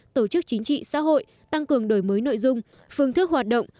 tổ chức chính trị xã hội tăng cường đổi mới nội dung phương thức hoạt động